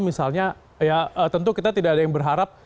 misalnya ya tentu kita tidak ada yang berharap